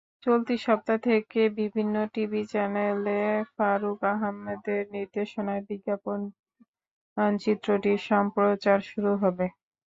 চলতি সপ্তাহ থেকে বিভিন্ন টিভি চ্যানেলে ফারুক আহমেদের নির্দেশনায় বিজ্ঞাপনচিত্রটির সম্প্রচার শুরু হবে।